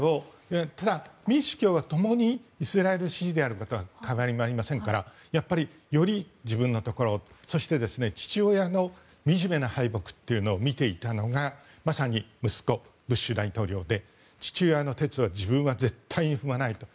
民主・共和共にイスラエル支持であることは変わりがありませんからより自分のところそして父親のみじめな敗北を見ていたのがまさに息子のブッシュ大統領で父親の轍は自分は絶対に踏まないと。